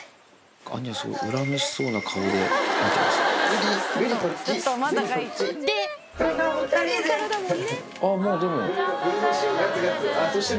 恨めしそうな顔で見てますね。